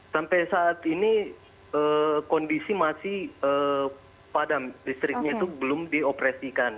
sampai saat ini kondisi masih padam listriknya itu belum dioperasikan